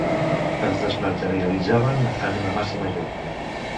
Es desmaterialitzaven en una massa major.